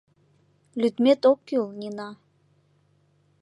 Лӱдмет ок кӱл, Нина!